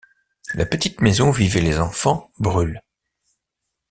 La petite maison où vivaient les enfants brûle.